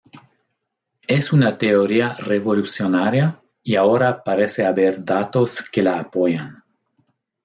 Es una teoría revolucionaria y ahora parece haber datos que la apoyan.